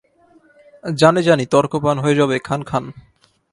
জানি জানি তর্কবাণ হয়ে যাবে খান খান।